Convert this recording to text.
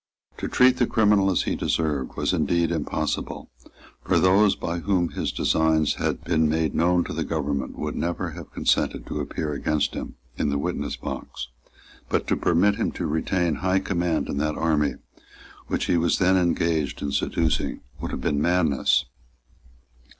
To treat the criminal as he deserved was indeed impossible; for those by whom his designs had been made known to the government would never have consented to appear against him in the witness box. But to permit him to retain high command in that army which he was then engaged in seducing would have been madness.